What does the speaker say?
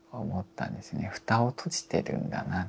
蓋を閉じてるんだな